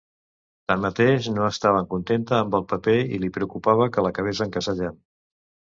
Tanmateix, no estava contenta amb el paper i li preocupava que l'acabés encasellant.